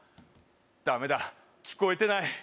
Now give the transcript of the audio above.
ダメだ聞こえてない